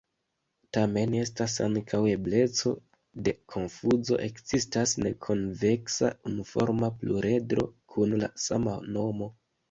Tamen estas ankaŭ ebleco de konfuzo: ekzistas nekonveksa unuforma pluredro kun la sama nomo.